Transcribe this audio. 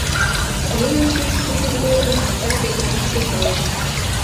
Эн ончыч шукыж годым ача кутыраш тӱҥалын.